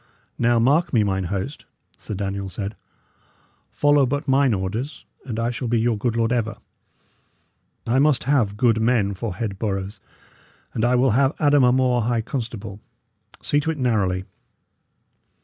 "Now, mark me, mine host," Sir Daniel said, "follow but mine orders, and I shall be your good lord ever. I must have good men for head boroughs, and I will have Adam a More high constable; see to it narrowly.